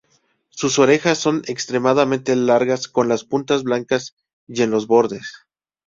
Sus orejas son extremadamente largas con las puntas blancas y en los bordes.